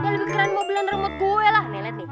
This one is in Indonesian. lebih keren mobilan rumah gue lah